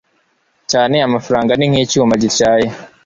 cyane amafaranga ni nk icyuma gityaye